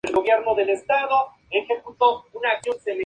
Michael estuvo casado en dos oportunidades.